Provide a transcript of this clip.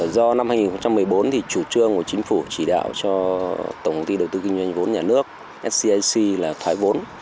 do năm hai nghìn một mươi bốn chủ trương của chính phủ chỉ đạo cho tổng công ty đầu tư kinh doanh vốn nhà nước scac là thoái vốn